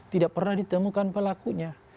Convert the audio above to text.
tidak pernah ditemukan pelakunya